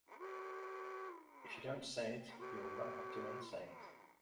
If you don't say it you will not have to unsay it.